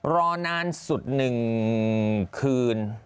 รอนานสุดหนึ่งคืน